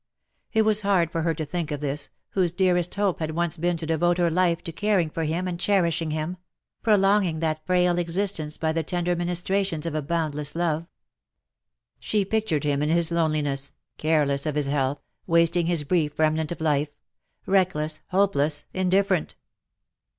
It was hard for her to think of this^ whose dearest hope had once been to devote her life to caring for him and cherishing hira — prolonging that frail existence by the tender ministrations of a boundless love. She pictured him in his loneliness, careless of his health, wasting his brief remnant of life — reckless, hopeless, indifferent.